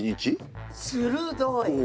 鋭い。